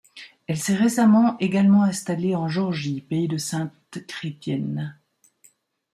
Elle s'est récemment également installée en Géorgie, pays de sainte Chrétienne.